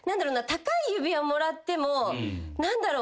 高い指輪もらっても何だろう？